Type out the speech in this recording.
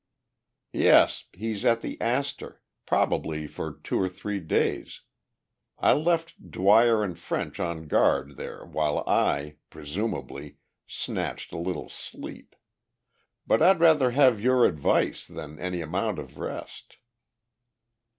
"Yes, he's at the Astor, probably for two or three days. I left Dwyer and French on guard there while I, presumably, snatched a little sleep. But I'd rather have your advice than any amount of rest."